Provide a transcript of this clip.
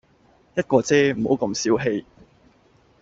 一個啫，唔好咁小氣